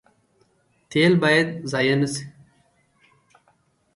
تیل باید ضایع نشي